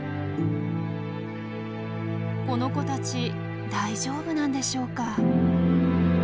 この子たち大丈夫なんでしょうか？